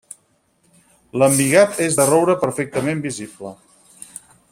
L'embigat és de roure, perfectament visible.